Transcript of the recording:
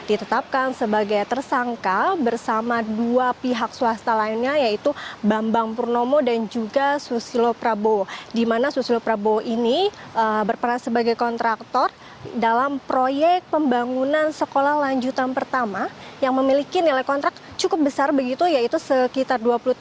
ia sebelumnya menjalankan perjalanan bersama keluarga